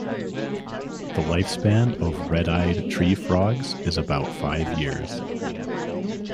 The lifespan of red-eyed tree frogs is about five years.